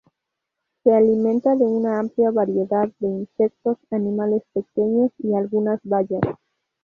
Se alimenta de una amplia variedad de insectos, animales pequeños y algunas bayas.